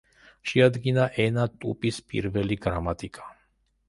შეადგინა ენა ტუპის პირველი გრამატიკა.